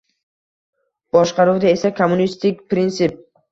boshqaruvda esa kommunistik prinsip.